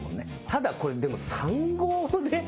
ただこれでも３５で。